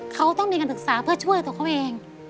เขาต้องมีการศึกษาเพื่อช่วยตัวเขาเอง